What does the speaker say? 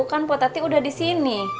kan pok tadi udah di sini